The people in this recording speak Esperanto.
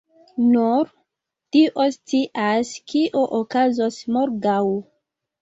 Nur dio scias kio okazos morgaŭ.